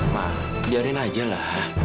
ma biarin aja lah